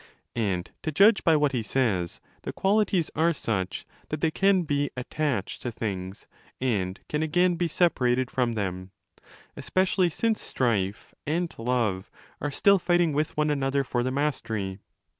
And, to judge by what he says, the qualities are such that they can be 'attached' to things and caz again be 'separated ' from them, especially since Strife and Love are still fighting with one another for the mastery.